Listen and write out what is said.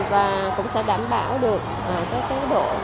và cũng sẽ đảm bảo được các đồ